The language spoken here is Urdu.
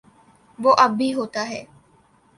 وہ اب بھی ہوتا ہے۔